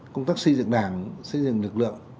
công tác xây dựng đảng xây dựng lực lượng